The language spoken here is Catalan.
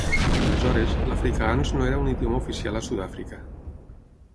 Aleshores, l'afrikaans no era un idioma oficial a Sud-àfrica.